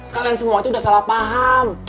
kalian semua itu udah salah paham